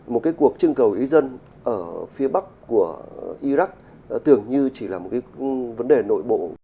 một cái cuộc trưng cầu ý dân ở phía bắc của iraq tưởng như chỉ là một cái vấn đề nội bộ